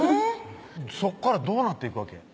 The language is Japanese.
そこからどうなっていくわけ？